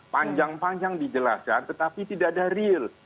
panjang panjang dijelaskan tetapi tidak ada real